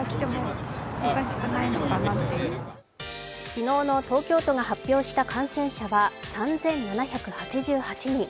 昨日の東京都が発表した感染者は３７８８人。